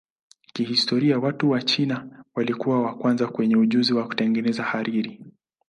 Kihistoria watu wa China walikuwa wa kwanza wenye ujuzi wa kutengeneza hariri.